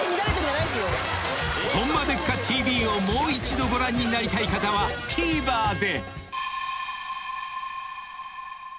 ［『ホンマでっか⁉ＴＶ』をもう一度ご覧になりたい方はＴＶｅｒで！］